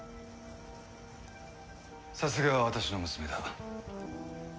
さすがは私の娘だ。